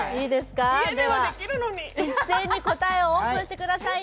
では、一斉に答えをオープンしてください。